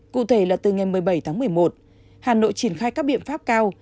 cụ thể là từ ngày một mươi bảy tháng một mươi một hà nội triển khai các biện pháp cao